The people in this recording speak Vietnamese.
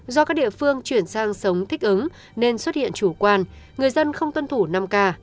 do các địa phương chuyển sang sống thích ứng nên xuất hiện chủ quan người dân không tuân thủ năm k